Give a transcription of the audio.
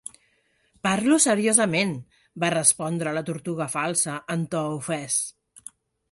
"Parlo seriosament", va respondre la Tortuga Falsa en to ofès.